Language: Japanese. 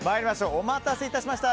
お待たせいたしました。